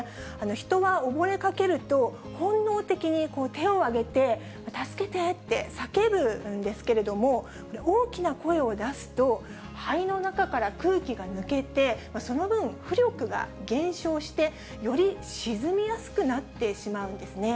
人は溺れかけると、本能的に手を上げて、助けてって叫ぶんですけれども、大きな声を出すと、肺の中から空気が抜けて、その分、浮力が減少して、より沈みやすくなってしまうんですね。